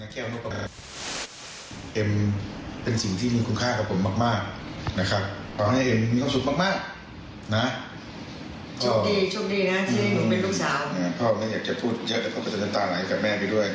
ขอบคุณมากที่ได้ลูกสาวที่น่ารักขอบคุณที่ดูแลพระอาหารสององค์ที่มาตลอด